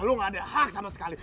lo gak ada hak sama sekali